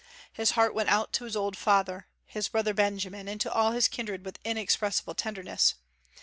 His heart went out to his old father, his brother Benjamin, and to all his kindred with inexpressible tenderness.